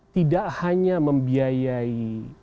tidak hanya membiayai